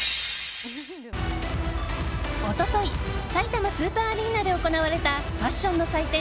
一昨日さいたまスーパーアリーナで行われたファッションの祭典